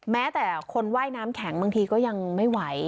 แม้แต่คนว่ายน้ำแข็งบางทีก็ยังไม่ไหว